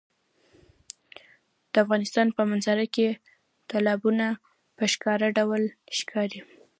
د افغانستان په منظره کې تالابونه په ښکاره ډول ښکاري.